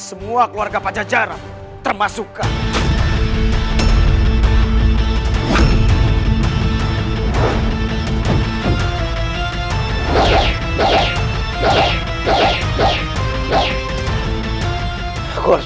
saya akan puas hatinya uh out